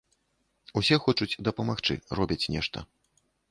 Усе хочуць дапамагчы, робяць нешта.